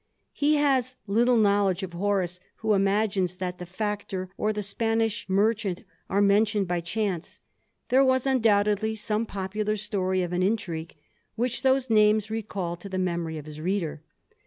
He has little knowledge of Horace who imagines that tl factor, or the Spanish merchant, are mentioned by chanc there was undoubtedly some popular story of an in trig which those names recalled to the memory of his reader.